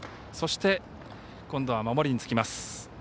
そして今度は守りにつきます。